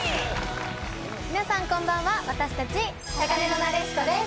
皆さんこんばんは私たち高嶺のなでしこです